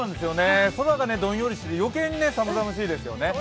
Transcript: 空がどんよりしてて、余計に寒々しいですよね。